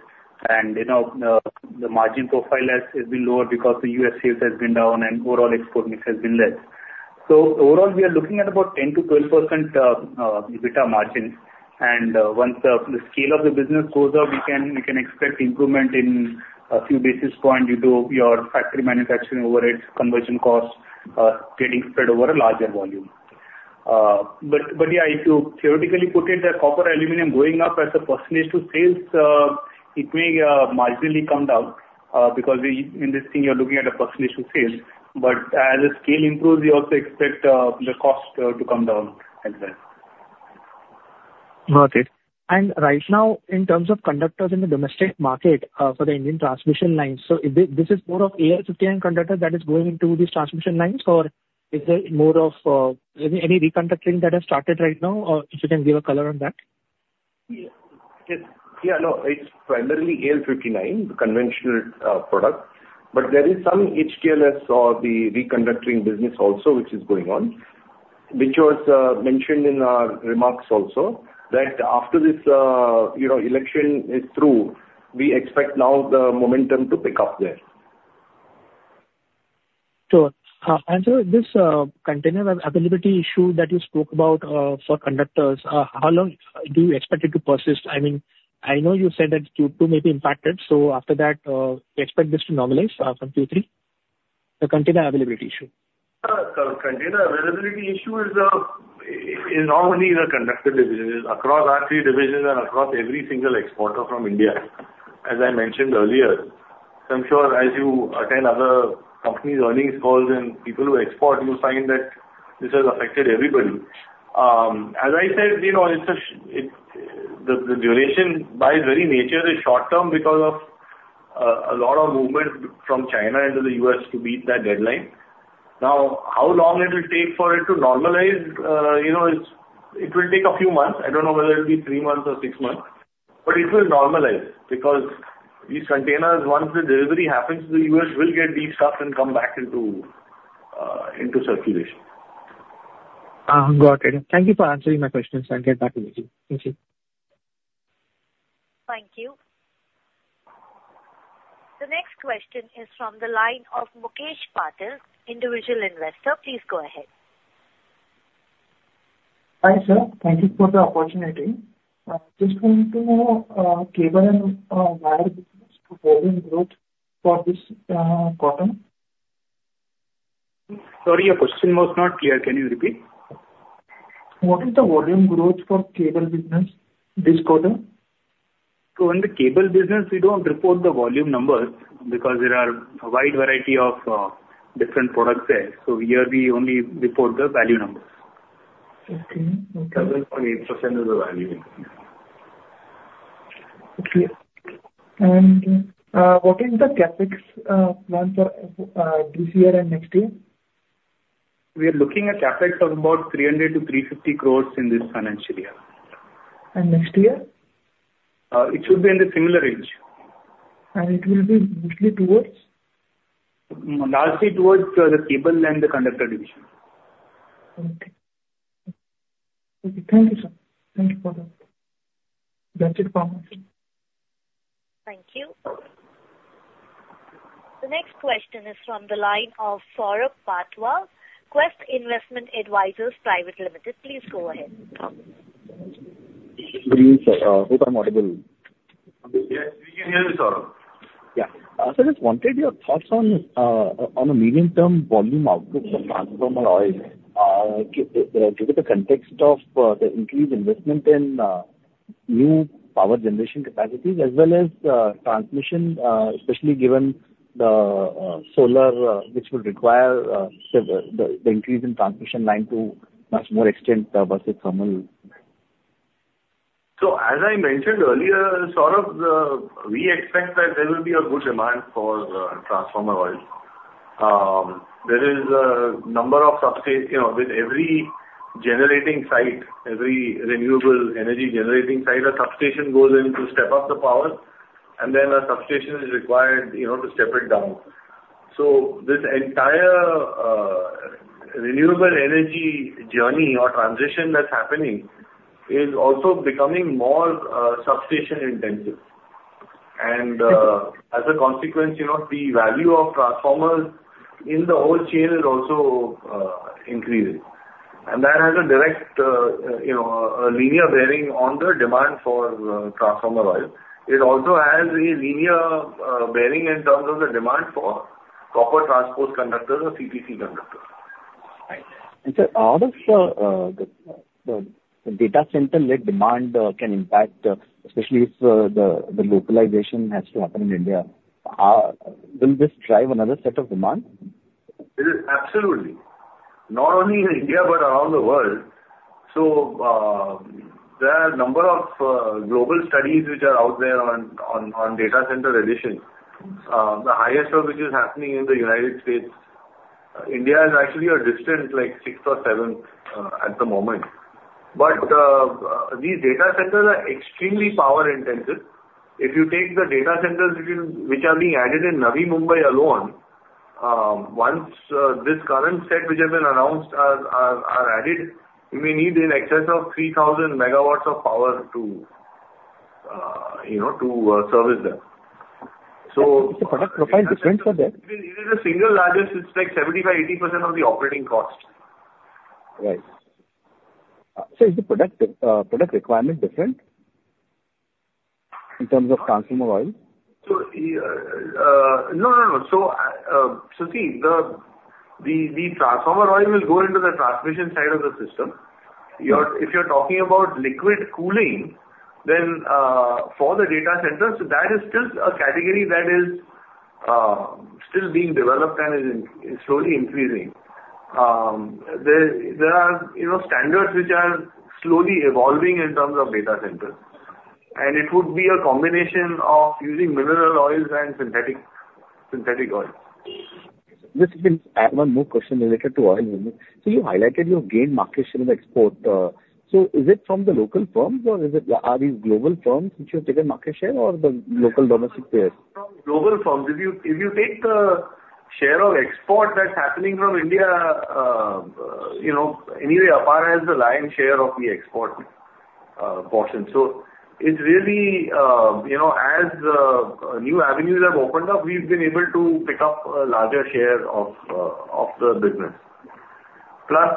and you know, the margin profile has been lower because the US sales has been down and overall export mix has been less. So overall, we are looking at about 10%-12% EBITDA margin. And once the scale of the business goes up, we can expect improvement in a few basis points due to your factory manufacturing overhead conversion costs getting spread over a larger volume. But yeah, if you theoretically put it, the copper, aluminum going up as a percentage to sales. It may marginally come down because we, in this thing, you're looking at a per unit sales, but as the scale improves, we also expect the cost to come down as well. Okay. And right now, in terms of conductors in the domestic market, for the Indian transmission lines, so is this, this is more of AL-59 conductor that is going into these transmission lines, or is there more of, any reconductoring that has started right now, or if you can give a color on that? Yes. Yeah, no, it's primarily AL-59, the conventional, product. But there is some HTLS or the reconductoring business also, which is going on, which was, mentioned in our remarks also, that after this, you know, election is through, we expect now the momentum to pick up there. Sure. And so this container availability issue that you spoke about for conductors, how long do you expect it to persist? I mean, I know you said that Q2 may be impacted, so after that, you expect this to normalize from Q3, the container availability issue? The container availability issue is normally in the conductor division, across our three divisions and across every single exporter from India. As I mentioned earlier, so I'm sure as you attend other companies' earnings calls and people who export, you'll find that this has affected everybody. As I said, you know, it's short term, the duration by its very nature, is short term because of a lot of movement from China into the U.S. to beat that deadline. Now, how long it will take for it to normalize? You know, it will take a few months. I don't know whether it'll be three months or six months, but it will normalize, because these containers, once the delivery happens, the U.S. will get these stuff and come back into circulation. Got it. Thank you for answering my questions. I'll get back to you. Thank you. Thank you. The next question is from the line of Mukesh Patil, individual investor. Please go ahead. Hi, sir. Thank you for the opportunity. Just want to know cable and wire business volume growth for this quarter. Sorry, your question was not clear. Can you repeat? What is the volume growth for cable business this quarter? So in the cable business, we don't report the volume numbers because there are a wide variety of different products there, so here we only report the value numbers. Okay. 7.8% is the value. Okay. And, what is the CapEx plans for this year and next year? We are looking at CapEx of about 300 crore-350 crore in this financial year. Next year? It should be in the similar range. It will be mostly towards? Largely towards the cable and the conductor division. Okay. Thank you, sir. Thank you for that. That's it from me. Thank you. The next question is from the line of Saurabh Patwa, Quest Investment Advisors Private Limited. Please go ahead. Good evening, sir. Hope I'm audible. Yes, we can hear you, Saurabh. Yeah. So just wanted your thoughts on a medium-term volume outlook for transformer oil. Given the context of the increased investment in new power generation capacities, as well as transmission, especially given the solar, which will require the increase in transmission line to much more extent versus thermal. So as I mentioned earlier, Saurabh, we expect that there will be a good demand for transformer oil. There is a number of substation, you know, with every generating site, every renewable energy generating site, a substation goes in to step up the power, and then a substation is required, you know, to step it down. So this entire renewable energy journey or transition that's happening is also becoming more substation intensive. Okay. As a consequence, you know, the value of transformers in the whole chain is also increasing. That has a direct, you know, linear bearing on the demand for transformer oil. It also has a linear bearing in terms of the demand for copper transposed conductors or CTC conductors. Right. And so how does the data center-led demand can impact, especially if the localization has to happen in India, will this drive another set of demand? It is absolutely. Not only in India, but around the world. So, there are a number of global studies which are out there on data center relations. The highest of which is happening in the United States. India is actually a distant, like sixth or seventh, at the moment. But these data centers are extremely power intensive. If you take the data centers which are being added in Navi Mumbai alone, once this current set, which has been announced, are added, we may need in excess of 3,000 megawatts of power to, you know, to service them. So- Is the product profile different for that? It is the single largest, it's like 75%-80% of the operating cost. Right. So is the product requirement different in terms of transformer oil? No, no, no. So, see, the transformer oil will go into the transmission side of the system. You're. If you're talking about liquid cooling, then, for the data centers, that is still a category that is still being developed and is slowly increasing. There are, you know, standards which are slowly evolving in terms of data centers. And it would be a combination of using mineral oils and synthetic oils. Just, one more question related to oil only. So you highlighted you've gained market share in the export. So is it from the local firms or is it, are these global firms which you've taken market share or the local domestic players? Global firms. If you, if you take the share of export that's happening from India, you know, anyway, Apar is the lion's share of the export, portion. So it's really, you know, as, new avenues have opened up, we've been able to pick up a larger share of, of the business. Plus,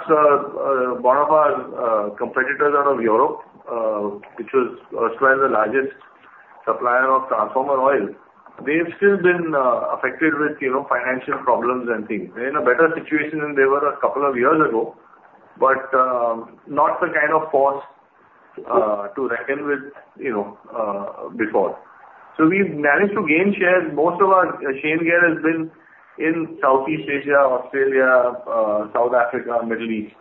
one of our, competitors out of Europe, which was once one of the largest supplier of transformer oil, they've still been, affected with, you know, financial problems and things. They're in a better situation than they were a couple of years ago, but, not the kind of force, to reckon with, you know, before. So we've managed to gain share. Most of our share gain has been in Southeast Asia, Australia, South Africa, Middle East.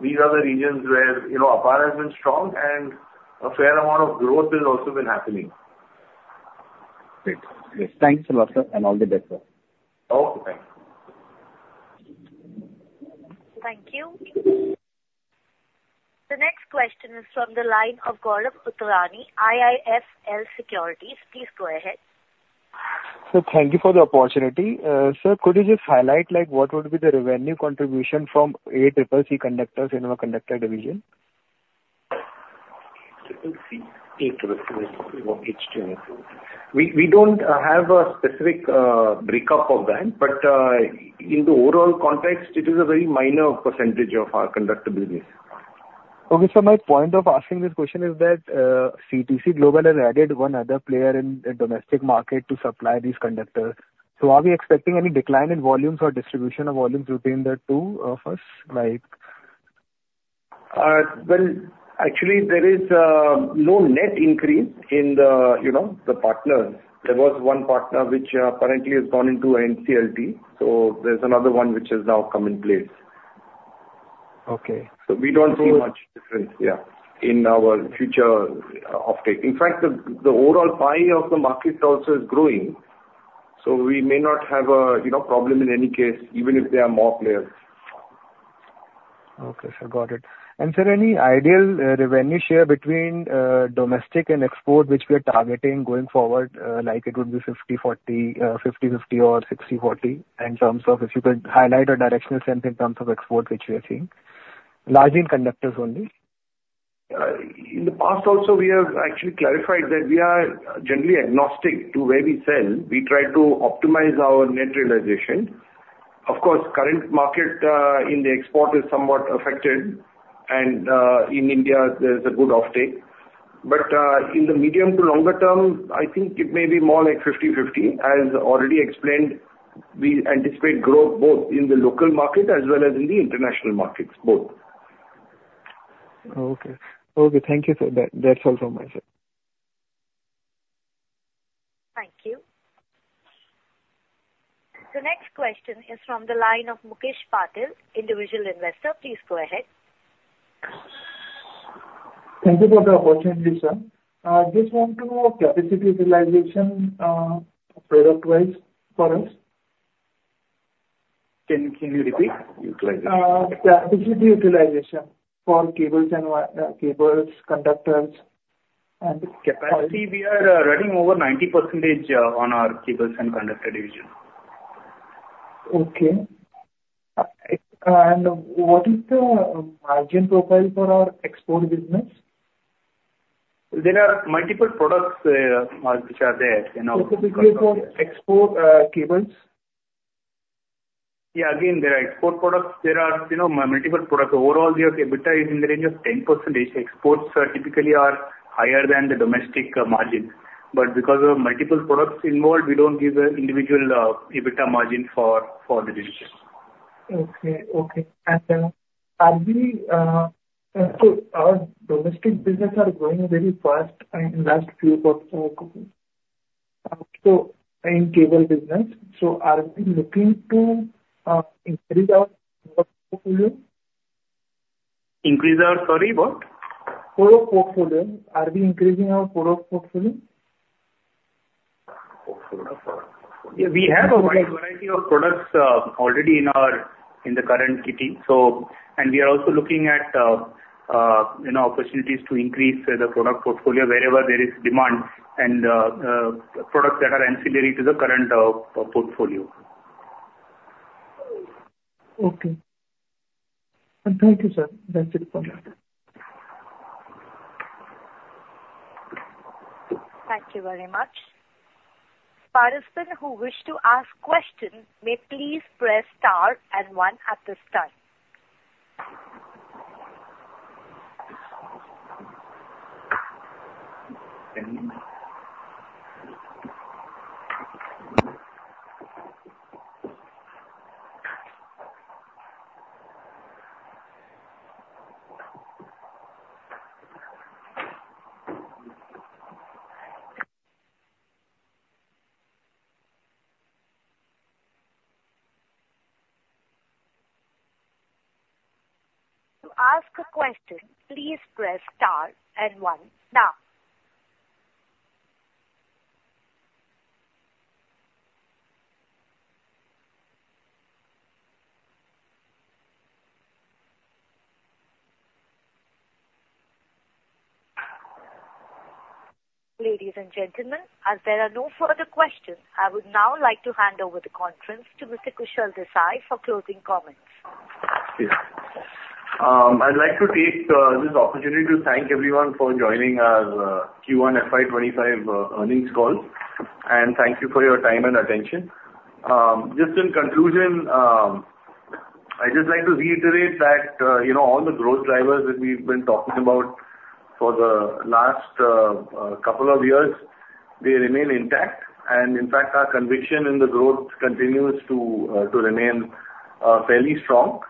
These are the regions where, you know, Apar has been strong, and a fair amount of growth has also been happening. Great. Yes, thanks a lot, sir, and all the best, sir. Okay, thank you. Thank you. The next question is from the line of Gaurav Bhutani, IIFL Securities. Please go ahead. Sir, thank you for the opportunity. Sir, could you just highlight, like, what would be the revenue contribution from ACCC conductors in our conductor division? ACCC, ACCC or HT? We, we don't have a specific breakup of that, but in the overall context, it is a very minor percentage of our conductor business. Okay. So my point of asking this question is that, CTC Global has added one other player in the domestic market to supply these conductors. So are we expecting any decline in volumes or distribution of volumes between the two of us, like? Well, actually, there is no net increase in the, you know, the partners. There was one partner which currently has gone into NCLT, so there's another one which has now come in place. Okay. We don't see much difference, yeah, in our future offtake. In fact, the overall pie of the market also is growing, so we may not have a, you know, problem in any case, even if there are more players. Okay, sir. Got it. And sir, any idea, revenue share between domestic and export, which we are targeting going forward, like it would be 60/40, 50/50 or 60/40, in terms of if you could highlight a directional sense in terms of export, which we are seeing, largely in conductors only? In the past also, we have actually clarified that we are generally agnostic to where we sell. We try to optimize our net realization. Of course, current market in the export is somewhat affected, and in India, there's a good offtake. But in the medium to longer term, I think it may be more like 50/50. As already explained, we anticipate growth both in the local market as well as in the international markets, both. Okay. Okay, thank you, sir. That, that's all from my side. Thank you. The next question is from the line of Mukesh Patil, individual investor. Please go ahead. Thank you for the opportunity, sir. Just want to know capacity utilization, product-wise for us? Can, can you repeat? Utilization. Capacity utilization for cables and cables, conductors, and- Capacity, we are running over 90% on our cables and conductor division. Okay. What is the margin profile for our export business? There are multiple products, which are there, you know- Specifically for export, cables. Yeah, again, there are export products. There are, you know, multiple products. Overall, the EBITDA is in the range of 10%. Exports are typically higher than the domestic margin. But because of multiple products involved, we don't give an individual EBITDA margin for the division. Okay, okay. And, are we. So our domestic business are growing very fast in last few quarters, so in cable business, so are we looking to, increase our product portfolio? Increase our sorry, what? Product portfolio. Are we increasing our product portfolio? Portfolio. Yeah, we have a wide variety of products already in our, in the current kitty, so. And we are also looking at you know, opportunities to increase the product portfolio wherever there is demand and products that are ancillary to the current portfolio. Okay. Thank you, sir. That's it from my side. Thank you very much. Parties who wish to ask questions may please press star and one at this time. To ask a question, please press star and one now. Ladies and gentlemen, as there are no further questions, I would now like to hand over the conference to Mr. Kushal Desai for closing comments. Yes. I'd like to take this opportunity to thank everyone for joining our Q1 FY 25 earnings call, and thank you for your time and attention. Just in conclusion, I'd just like to reiterate that, you know, all the growth drivers that we've been talking about for the last couple of years, they remain intact, and in fact, our conviction in the growth continues to remain fairly strong.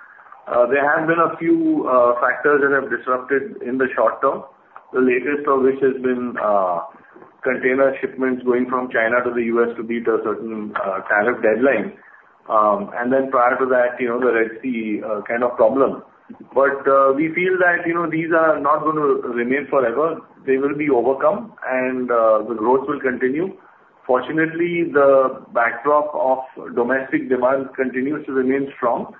There have been a few factors that have disrupted in the short term, the latest of which has been container shipments going from China to the U.S. to beat a certain tariff deadline. And then prior to that, you know, the Red Sea kind of problem. But we feel that, you know, these are not going to remain forever. They will be overcome, and the growth will continue. Fortunately, the backdrop of domestic demand continues to remain strong,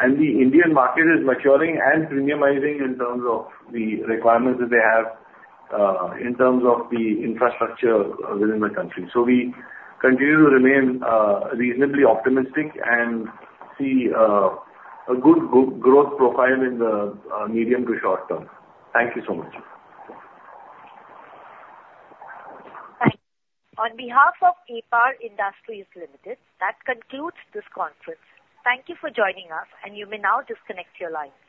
and the Indian market is maturing and premiumizing in terms of the requirements that they have in terms of the infrastructure within the country. So we continue to remain reasonably optimistic and see a good growth profile in the medium to short term. Thank you so much. Thank you. On behalf of Apar Industries Limited, that concludes this conference. Thank you for joining us, and you may now disconnect your lines.